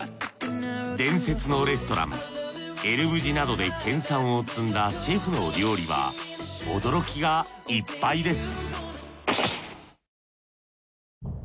伝説のレストランエル・ブジなどで研鑽を積んだシェフの料理は驚きがいっぱいです